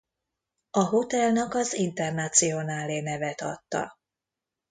A hotelnak az Internazionale nevet adta.